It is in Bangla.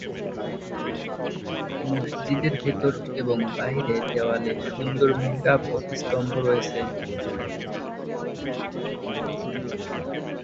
মসজিদের ভেতরে এবং বাইরের দেয়ালে সুন্দর মেহরাব ও স্তম্ভ রয়েছে।